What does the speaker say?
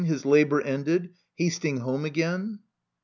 His labour ended, hasting home again